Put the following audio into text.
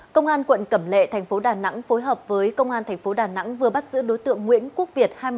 công an quận cẩm lệ thành phố đà nẵng phối hợp với công an thành phố đà nẵng vừa bắt giữ đối tượng nguyễn quốc việt